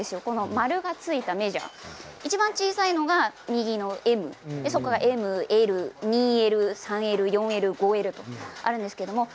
丸がついたメジャーいちばん小さいのは右のＭそれからＬ、２Ｌ、３Ｌ４Ｌ、５Ｌとあります。